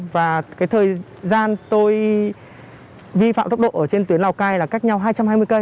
và cái thời gian tôi vi phạm tốc độ ở trên tuyến lào cai là cách nhau hai trăm hai mươi cây